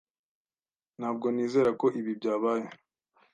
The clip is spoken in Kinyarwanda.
Ntabwo nizera ko ibi byabaye.